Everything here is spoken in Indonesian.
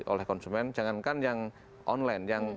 oleh konsumen jangankan yang online